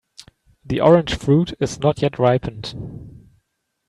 The orange fruit is not yet ripened.